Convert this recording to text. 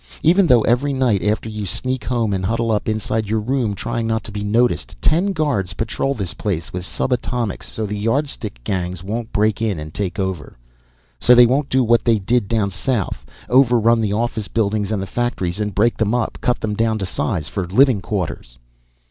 Even though every night, after you sneak home and huddle up inside your room trying not to be noticed, ten guards patrol this place with subatomics, so the Yardstick gangs won't break in and take over. So they won't do what they did down south overrun the office buildings and the factories and break them up, cut them down to size for living quarters."